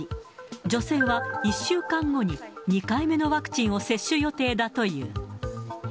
女性は１週間後に２回目のワクチンを接種予定だという。